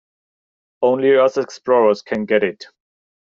Only us explorers can get it.